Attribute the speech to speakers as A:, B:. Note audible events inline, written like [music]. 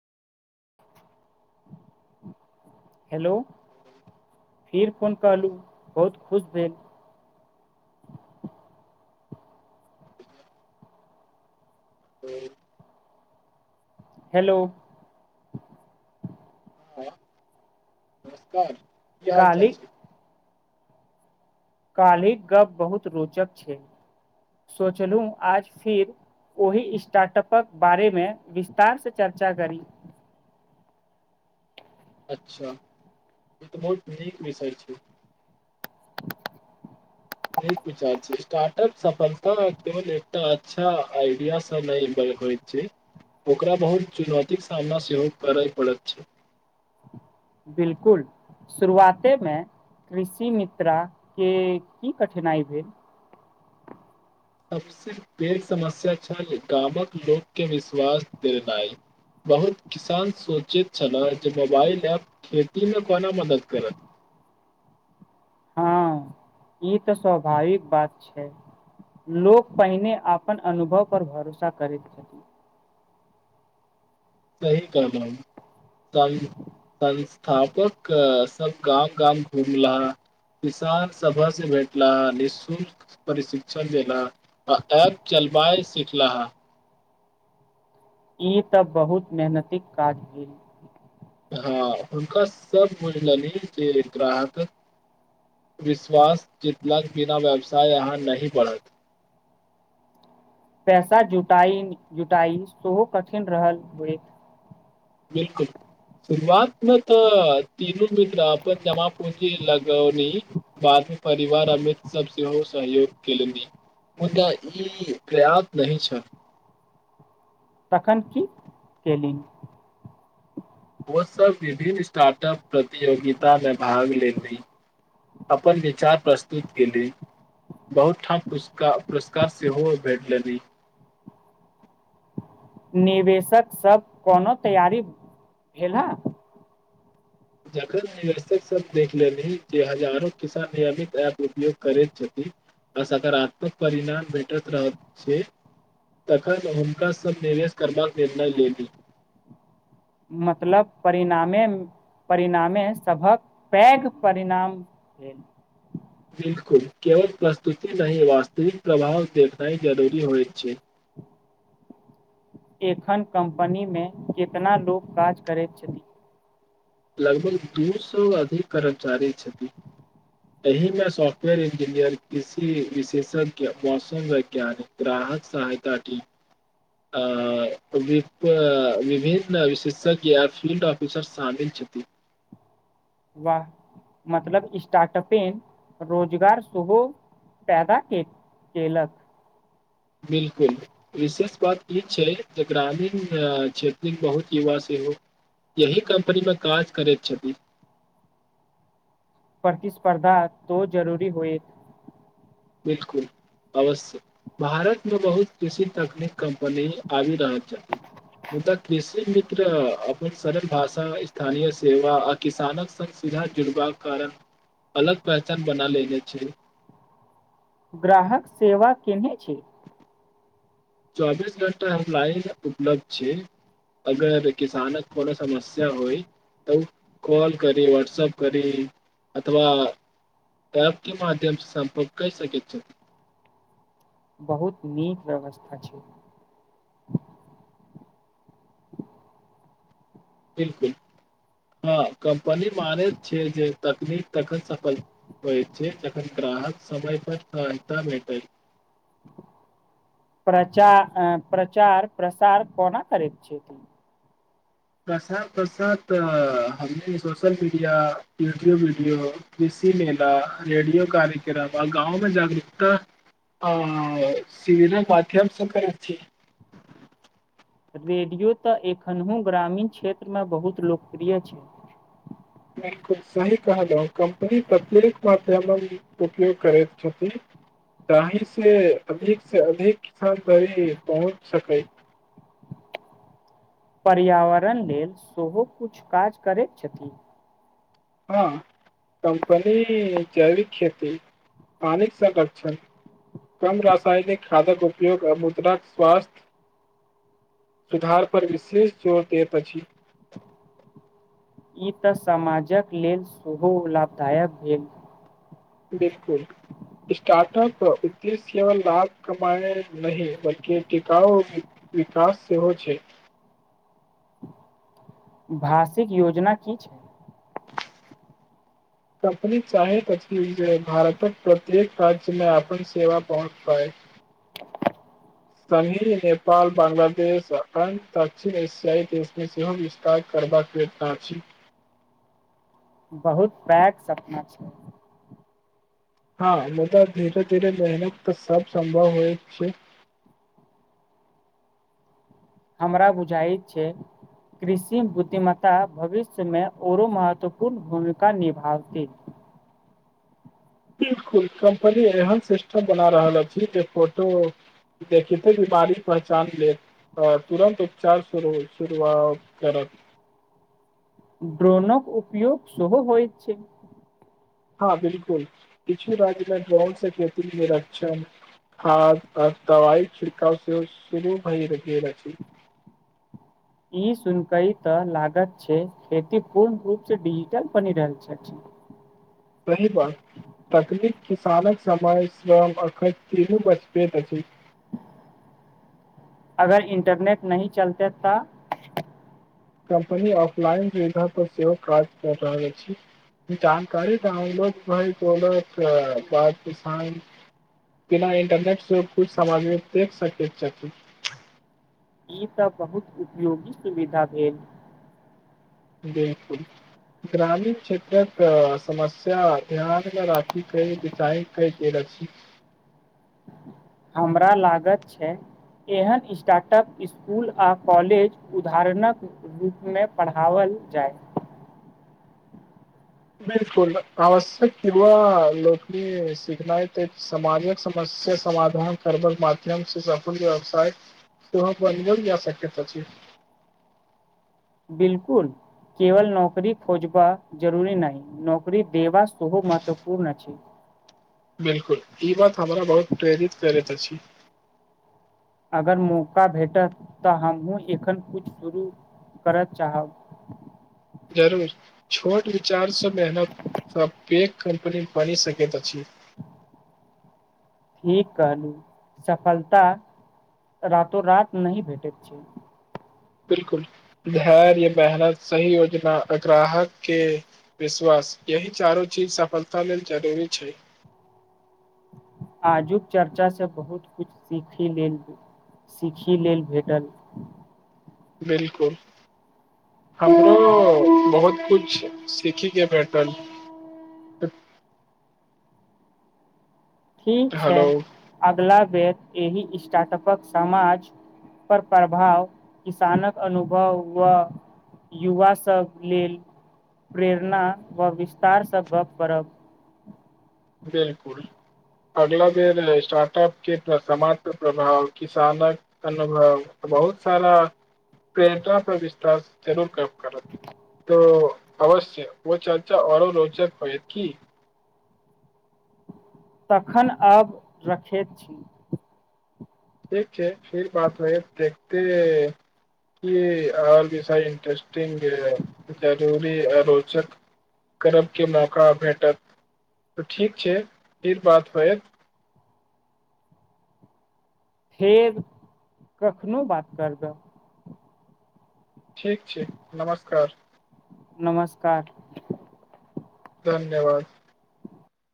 A: Hello, फिर phone कहलहुँ, बहुत खुश भेल।
B: [inaudible] ह।
A: हेलो।
B: हां, नमस्कार कि
A: काल्हि
B: हाल-चाल छै।
A: काल्हिक गप्प बहुत रोचक छै, सोचलू आज फिर। ओहि स्टार्टअपक बारे में विस्तार से चर्चा करी।
B: अच्छा ई तऽ बहुत नीक विषय छै। पुछा, स्टार्टअप सफलता केवल एकटा अच्छा आइडिया से न होयत। छै, ओकरा बहुत चुनौती के सामना सेहो करे पड़त छै।
A: बिल्कुल। शुरुआते में कृषि मित्रा के की कठिनाई भेल।
B: सबसे पैघ समस्या छल, गामक लोक के विश्वास देनाइ। बहुत किसान सोचैत छले, जे मोबाइल एप खेती में कोना मदद करत।
A: हँ ई तऽ स्वाभाविक बात छै। लोक पहिने अपन अनुभव पर भरोसा करैत छथि।
B: सही कहलौं। ता ई। संस्थापक के सब गाम-गाम घुमला। किसान सभा से भेटला, निःशुल्क। प्रशिक्षण देला, आ ऐप चलबाय सिखलाहा।
A: ई तऽ बहुत मेहनतिक काज भेल।
B: हँ, हुनका सब बुझलनि जे ग्राहक। विश्वास जितलाक बिना, व्यवसाय अहाँ नहि बढ़त।
A: पैसा जुटाईन-जुटाई सेहो कठिन रहल।
B: 'बिलकुल'सुरूआत मे तऽ, तीनू मित्र अपन जमा प लगौनी बादमे, परिवार अमित सबसँ सेहो सहयोग केलनि, मुदा ई प्रयात नहि छ।
A: तखन की केलनि।
B: ओ सब विभिन्न स्टार्ट अप, प्रतियोगिता मे भाग लेली। अपन विचार प्रस्तुत केली। बहुत ठाम पुरस्कार पुरस्कार सेहो भेटलनी।
A: निवेशक सब कोनो तैयारी भेल ला।
B: जखन निवेशक सब देख लेली जे, हजारो किसान नियमित एप उपयोग करैत छथि। आ सकारात्मक परिणाम भेटत रह छै। तखन हुनका सब निवेश करबाक निर्णय ले ली।
A: मतलब परिणामे। परिणामे सभक पैघ परिणाम भेल।
B: 'बिलकुल' केवल प्रस्तुति नहि, वास्तविक प्रभाव देखनाइ जरूरी होइत छै।
A: एखन कम्पनीमे कितना लोक काज करैत छथि?
B: लगभग दू सौ अधिक कर्मचारी छथि। एहि में सॉफ्टवेयर इंजीनियर, कृषी विशेषज्ञ, मौसम वैज्ञानिक। ग्राहक सहायता की। विभिन्न विशेषज्ञ या फील्ड ऑफिसर शामिल। छथि।
A: वहाँ! मतलब स्टार्टअपे रोजगार सेहो। पैदा के केलक।
B: बिलकुल। विशेष बात ई छै जे, ग्रामीण क्षेत्रमे बहुत युवा सेहो। यही कम्पनी मे काज करैत छथि।
A: प्रतिस्पर्धा सेहो जरूरी होएत।
B: बिलकुल। अवश्य भारत मे बहुत कुषि तकनीक कम्पनी आबि रहल। मुदा कृषि मित्र! अपन सरल भाषा स्थानीय सेवा आ किसानक सब सीधा जुड़बाक कारण अलग पहचान बना लेने छै।
A: ग्राहक सेवा केने छै।
B: चौबीस घण्टा लाइन उपलब्ध छै। अगर किसानक कोनो समस्या होइ। त कॉल करी वहट्सप करी अथवा। प के मध्यम से संपर्क कहि सकैत छै।
A: बहुत नीक व्यवस्था छै।
B: 'बिलकुल' हँ कम्पनी मानैत छियै जे तकनीक तखन सफल होइ छै, जखन ग्राहक समय पर सहायता भेटल।
A: प्रचार प्रचार प्रसार, कोना करैत छिय।
B: प्रसाद प्रसाद हमनी सोशल मीडिया, यूट्यूब वीडियो। कृषि मेला, रेडियो कार्यक्रम, आर गाँवमे जागरूकता। आ सीर माध्यमसँ करैत छी।
A: रेडियो तऽ एखनहु ग्रामीण क्षेत्रमे बहुत लोकप्रिय छै।
B: 'बिलकुल' सही कहलहु कम्पनी प्रत्येक माध्यम उपयोग करैत छथि। जाहि से, अधिक से अधिक किसान धरी पहुँच सकै।
A: पर्यावरण लेल, सेहो किछु काज करैत छथि।
B: हँ कम्पनी जैविक खेती पानिक संरक्षण। कम रसायनिक खादक उपयोग, आ मुद्राक स्वास्थ्य। सुधार पर विशेष जोर दैत अछि।
A: ई तऽ समाजक लेल सेहो लाभदायक भेल।
B: बिलकुल। स्टार्टप उदेश केवल लाभ कमाए नहि बल्कि टिकाउ विकास सेहो छै।
A: भाषिक योजना की छै।
B: कपनी चाहैत अछि जे, भारतक प्रत्येक राज्यमे अपन सेव पहुँच पाइ। शनी, नेपाल, बांग्लादेश, अखणड, दक्षिण एशियाई, देश मे सेहो वि काज करबाक प्रेरना अछी।
A: बहुत पैघ सपना छै।
B: हँ, मुदाऽ धीरे -धीरे मेहनत तऽ सब सम्भव होइत छै।
A: हमरा बुझाइत छै। कृषि बुद्धिमत्ता, भविष्यमे आओरो महत्वपूर्ण भूमिका निभथि।
B: 'बिलकुल' कम्पनी एहन सिस्टम बना रहल अछि, जे फोटो देखे ते बीमारी पहचान लेब। अ तुरन्त उपचार सुरुआत करत।
A: ड्रोनक उपयोग सेहो होइ छै।
B: हँ बिलकुल, किछ राज्यमे ड्रोन से खे निर्षण। हाथ आ दवाई खिड़काव से सुरु भेल गेल अछि।
A: ई सुन कई तऽ लागत छै, खेती पूर्ण रूप से डिजिटल बनि रहल छथि।
B: सही बात, तकनीक किसानक समय स्वम अखन तीनू बचपैत अछि।
A: अगर इन्टरनेट नहि चलते तऽ।
B: कम्पनी ऑफलाइन सुविधाापर, सेहो काज कऽ रहलैत अछि। जानकारी तऽ औल [unintelligible] भइ तौलक बात किान। बिना इन्टरनेटसँ किुछु सामग्री देख सकैत छथिन।
A: ई तऽ बहुत उपयोगी सुविधा भेल।
B: बिलकुल। ग्रामीण क्षेत्रक समस्या, ध्यानमे राखि के, बिचाइर के कयल गेल अछि।
A: हमरा लागत छै। एहन स्टार्टअप स्कूल आ कॉलेज उदाहरणक रूप मे, पढ़ओल जाय।
B: 'बिलकुल' आवश्यक कीवा लोकनीक शिखनाय त सामाजिक समस्या समाधान करबल माध्यम से सफल व्यवसाय। तह यशकता छै। [unintelligible]
A: 'बिलकुल'। केवल नौकरी खोजबा जरूरी नहि, नौकरी देबा सेहो महत्वपूर्ण अछि।
B: 'बिल्कुल' ई बात हमरा बहुत प्रेरित करैत अछि।
A: अगर मौका भेटत तऽ, हमहु एखन किछु शुरू करय चाहब।
B: जरूर! छोट विचारसँ मेहनत कम्पनी बनि सकैत अछि।
A: ठीक कहलू सफलता रातो -रात नहि भेटैत छै।
B: 'बिलकुल' धैर्य य मेहनत सही योजना ग्राहक के। विश्वास, यही चारो चीज सफलता लेल जरूरी छै।
A: आजुक चर्चा से बहुत कुछ सीखि लेल सीखी लेल भेटल।
B: बिलकुल, हमरो बहुत कुछ सिखी के भेट [unintelligible]
A: ठीक छै,
B: हेलो
A: अगिला बेर एहि स्टार्टअपक समाज पर प्रभाव किसानक अनुभव व युवा सब लेल प्रेरणा व विस्तारसँ गप्प करब।
B: बिलकुल। अगिला बेर स्टार्टअप के समाज पर प्रभाव, किसानक अनुभव, बहुत सारा प्रेरणा पर विश्वास जरूर कर करत, त अवश्य ओ चर्चा औरो रोचक होएत कि।
A: तखैन आब रखैत छी।
B: ठीक छै फिर बात होएत, [unintelligible] कि आर विषय इंटरेस्टिंग होयत, जरूरी आ रोचक। करक के मौका भेटत, त ठीक छै फिर बात होयत।
A: फेर, कखनो बात करब।
B: ठीक छै, नमस्कार।
A: नमस्कार।
B: धन्यवाद।